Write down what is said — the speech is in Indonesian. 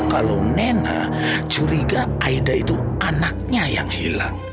kalau nena curiga aida itu anaknya yang hilang